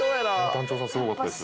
「団長さんすごかったです」